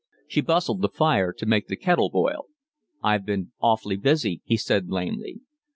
She bustled the fire to make the kettle boil. "I've been awfully busy," he said lamely.